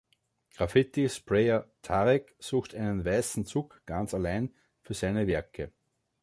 Graffiti-Sprayer Tarek sucht einen weißen Zug ganz allein für seine Werke.